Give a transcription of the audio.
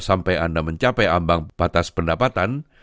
sampai anda mencapai ambang batas pendapatan